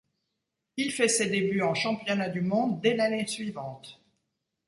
Il fait ses débuts en championnat du monde dès l'année suivante.